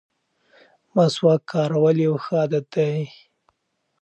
مسواک کارول یو ښه عادت دی.